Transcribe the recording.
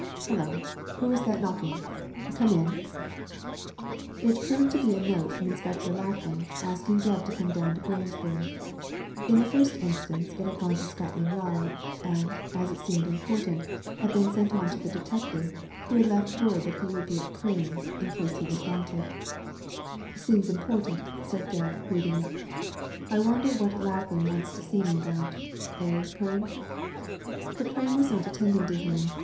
Hullo! Who is that knocking ? Come in." It proved to be a note from Inspector Lackland, asking Gebb to come down to Grangebury. In the first instance it had gone to Scotland Yard, and, as it seemed important, had been sent on to the detective, who had left word that he would be at Prain s, in case he was wanted. Digitized by Google 126 THE LADY FROM NOWHERE * Seems important," said Gebb, reading it *I wonder what Lackland wants to see me about— eh, Prain ?" But Prain was not attending to him.